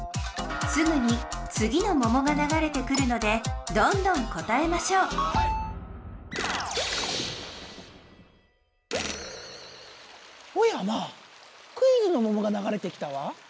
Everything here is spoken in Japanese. すぐにつぎのももがながれてくるのでどんどん答えましょうおやまあクイズのももがながれてきたわ。